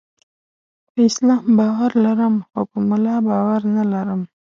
په اسلام باور لرم، خو په مولا باور نلرم.